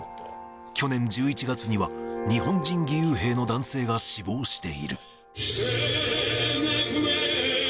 去年１１月には日本人義勇兵の男性が死亡している。